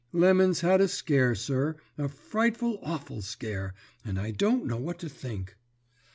Lemon's had a scare, sir, a frightful awful scare, and I don't know what to think.